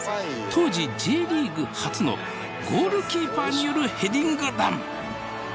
当時Ｊリーグ初のゴールキーパーによるヘディング弾。